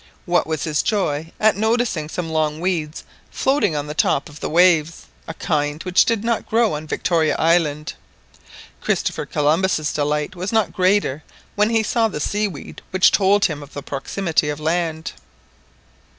What was his joy at noticing some long weeds floating on the top of the waves, of a kind which did not grow on Victoria Island. Christopher Columbus' delight was not greater when he saw the sea weed which told him of the proximity of land.